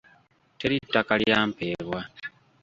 Teri ttaka lyampeebwa.